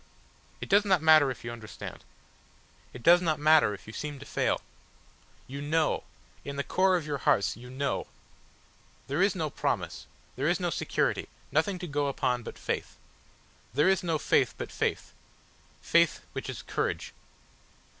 It does not matter if you understand. It does not matter if you seem to fail. You know in the core of your hearts you know. There is no promise, there is no security nothing to go upon but Faith. There is no faith but faith faith which is courage...."